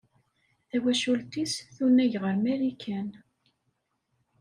Tawacult-is tunag ɣer Marikan.